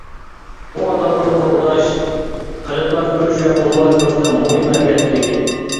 بۇ ئاتالغۇنى قوغداش، قېلىپلاشتۇرۇش ۋە ئومۇملاشتۇرۇشتا مۇھىم ئەھمىيەتكە ئىگە.